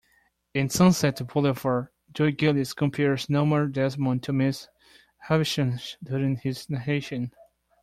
In "Sunset Boulevard", Joe Gillis compares Norma Desmond to Miss Havisham during his narration.